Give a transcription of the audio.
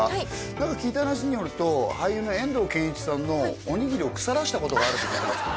何か聞いた話によると俳優の遠藤憲一さんのおにぎりを腐らしたことがあるって聞いたんですけど